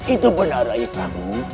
itu benar rai